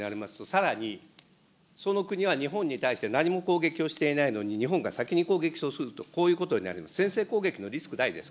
さらに、その国は日本に対して何も攻撃をしていないのに、日本が先に攻撃をすると、こういうことになる、先制攻撃のリスク大です。